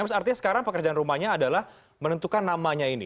artinya sekarang pekerjaan rumahnya adalah menentukan namanya ini